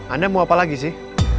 anda mau apa lagi sih